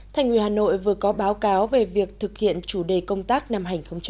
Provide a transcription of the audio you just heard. thành ủy hà nội vừa có báo cáo về việc thực hiện chủ đề công tác năm hai nghìn hai mươi